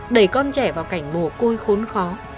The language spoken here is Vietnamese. đẩy con trẻ vào cảnh mồ côi khốn khó